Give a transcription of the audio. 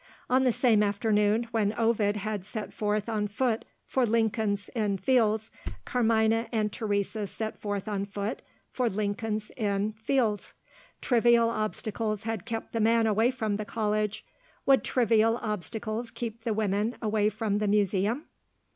On the same afternoon, when Ovid had set forth on foot for Lincoln's Inn Fields, Carmina and Teresa set forth on foot for Lincoln's Inn Fields. Trivial obstacles had kept the man away from the College. Would trivial obstacles keep the women away from the Museum?